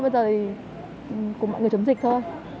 bây giờ thì cùng mọi người chống dịch thôi